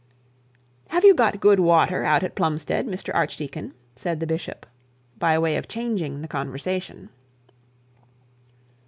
'Have you got good water out at Plumstead, Mr Archdeacon?' said the bishop by way of changing the conversation.